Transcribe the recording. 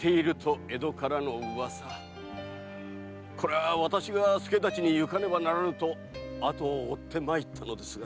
これは私が助太刀に行かねばならぬとあとを追って参ったのですが。